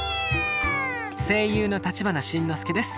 声優の立花慎之介です。